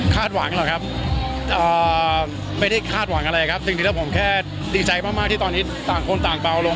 หวังหรอกครับไม่ได้คาดหวังอะไรครับจริงแล้วผมแค่ดีใจมากที่ตอนนี้ต่างคนต่างเบาลง